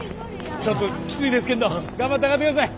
ちょっときついですけんど頑張って上がってください。